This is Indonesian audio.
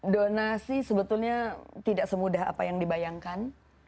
donasi sebetulnya tidak semudah apa yang dibayangkan